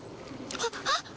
あっ！